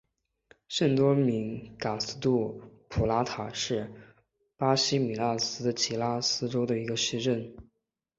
圣多明戈斯杜普拉塔是巴西米纳斯吉拉斯州的一个市镇。